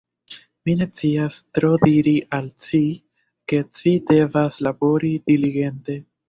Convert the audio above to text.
Mi ne scias tro diri al ci, ke ci devas labori diligente.